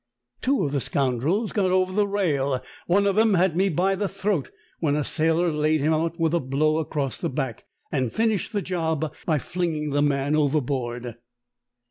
Two of the scoundrels got over the rail, and one of them had me by the throat when a sailor laid him out with a blow across the back, and finished the job by flinging the fellow over board.